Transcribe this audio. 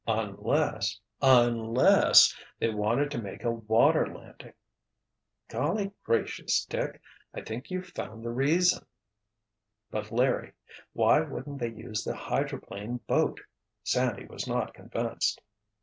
"Unless—unless they wanted to make a water landing!" "Golly gracious, Dick! I think you've found the reason——" "But, Larry—why wouldn't they use the hydroplane boat?" Sandy was not convinced.